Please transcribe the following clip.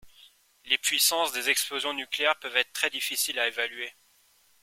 Les puissances des explosions nucléaires peuvent être très difficiles à évaluer.